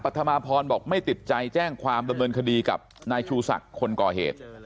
ธมาพรบอกไม่ติดใจแจ้งความดำเนินคดีกับนายชูศักดิ์คนก่อเหตุ